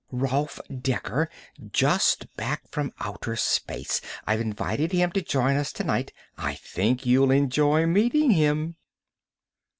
"Rolf Dekker, just back from outer space. I've invited him to join us tonight. I think you'll enjoy meeting him."